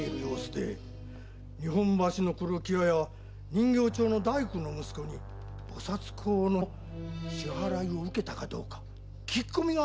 日本橋の黒木屋や人形町の大工の息子に菩薩講の支払いを受けたかどうか聞き込みがあったそうです。